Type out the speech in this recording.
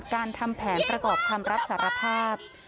โชว์บ้านในพื้นที่เขารู้สึกยังไงกับเรื่องที่เกิดขึ้น